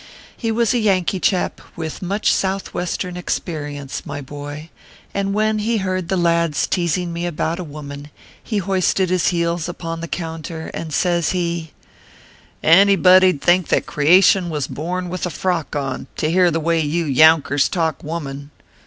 He was a Yankee chap with much southwestern experience, my boy, and when he heard the lads teasing me about a woman, he hoisted his heels upon the counter, and says he :" Anybody d think that creation was born with a frock on, to hear the way you younkers talk woman.